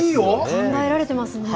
考えられていますね。